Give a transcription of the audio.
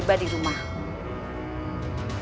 seperti permintaan nyai